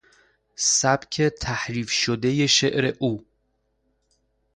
سبک تحریف شدهی شعر او